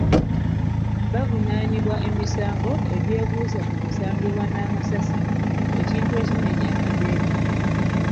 Bavunaanibwa emisango egyekuusa ku kusangibwa n'amasasi ekintu ekimenya amateeka.